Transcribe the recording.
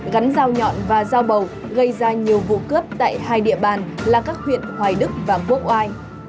gắn dao nhọn và dao bầu gây ra nhiều vụ cướp tại hai địa bàn là các huyện hoài đức và quốc oai